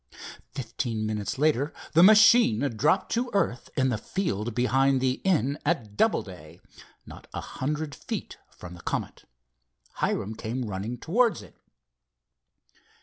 Fifteen minutes later the machine dropped to earth in the field behind the inn at Doubleday, not a hundred feet from the Comet. Hiram came running towards it.